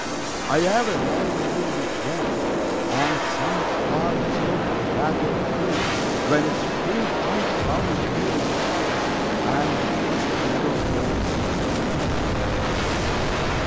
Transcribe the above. I have a rendezvous with Death On some scarred slope of battered hill, When Spring comes round again this year And the first meadow flowers appear.